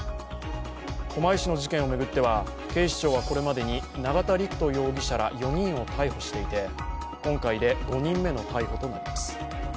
狛江市の事件を巡っては警視庁はこれまでに永田陸人容疑者ら４人を逮捕していて、今回で５人目の逮捕となります。